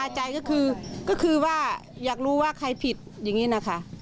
มันคาใจก็คือก็คือว่าอยากรู้ว่าใครผิดอย่างงี้น่ะค่ะ